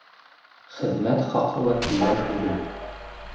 Хеҙмәт хаҡы ла түбән түгел.